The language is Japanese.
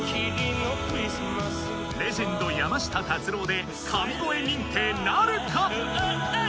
レジェンド山下達郎で神声認定なるか⁉